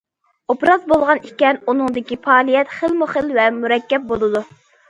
ئوبراز بولغان ئىكەن، ئۇنىڭدىكى پائالىيەت خىلمۇخىل ۋە مۇرەككەپ بولىدۇ.